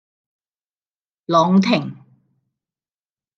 朗廷